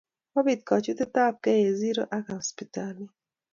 kobit kachutet ab kei eng zero ak hosiptalit